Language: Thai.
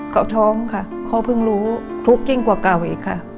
เขาท้องค่ะเขาเพิ่งรู้ทุกข์ยิ่งกว่าเก่าอีกค่ะ